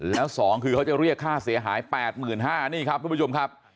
แล้ว๒คือเขาจะเรียกค่าเสียหาย๘๕๐๐บาทนี่ครับทุกผู้ชมครับ